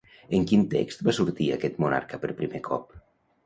En quin text va sortir aquest monarca per primer cop?